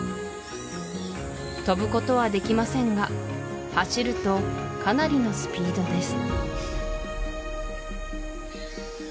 飛ぶことはできませんが走るとかなりのスピードです